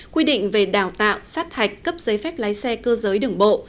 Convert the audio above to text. quy định về đào tạo sát hạch cấp giấy phép lái xe cơ giới đường bộ